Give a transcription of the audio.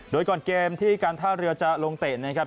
โดยก่อนเกมที่การท่าเรือจะลงเตะนะครับ